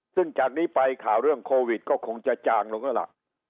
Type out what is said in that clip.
ซึ่งจากนี้ไปข่าวเรื่องโควิดก็คงจะจางลงแล้วล่ะ